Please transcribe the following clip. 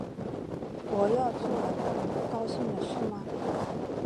我又做了让你不高兴的事吗